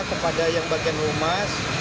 kepada yang bagian umas